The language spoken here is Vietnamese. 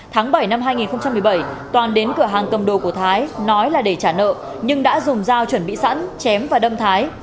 tháng bảy năm hai nghìn một mươi bảy toàn đến cửa hàng cầm đồ của thái nói là để trả nợ nhưng đã dùng dao chuẩn bị sẵn chém và đâm thái